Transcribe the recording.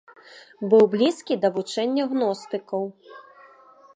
Быў блізкі да вучэння гностыкаў.